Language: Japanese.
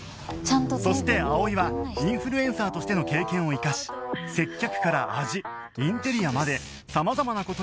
そして葵はインフルエンサーとしての経験を生かし接客から味インテリアまで様々な事に駄目出しをする